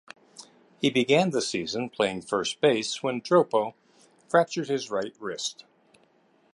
He began the season playing first base when Dropo fractured his right wrist.